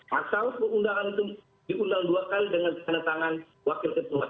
pasal undangan itu diundang dua kali dengan tanda tangan wakil ketua